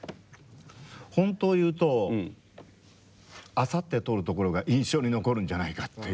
本当を言うとあさって撮るところが印象に残るんじゃないかっていう。